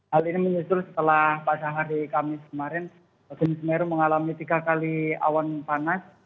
hal ini menyusul setelah pada hari kamis kemarin gunung semeru mengalami tiga kali awan panas